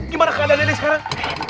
gimana keadaannya dia sekarang